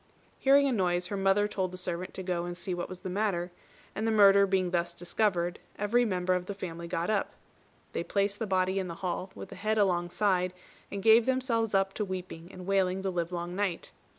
Hearing a noise, her mother told the servant to go and see what was the matter; and the murder being thus discovered, every member of the family got up. They placed the body in the hall, with the head alongside, and gave themselves up to weeping and wailing the livelong night.